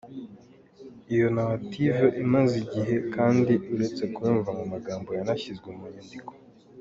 Iyo narrative imaze igihe kandi uretse kuyumva mu magambo yanashyizwe mu nyandiko.